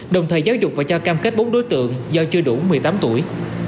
đồng thời giáo dục và cho cam kết bốn đối tượng do chưa đủ một mươi tám tuổi